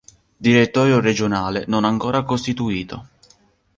Direttorio Regionale non ancora costituito.